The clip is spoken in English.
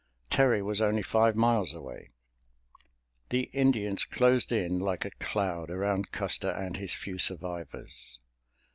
Terry was only five miles away. The Indians closed in like a cloud around Custer and his few survivors.